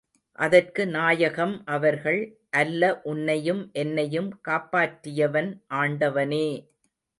அதற்கு நாயகம் அவர்கள், அல்ல உன்னையும் என்னையும் காப்பாற்றியவன் ஆண்டவனே!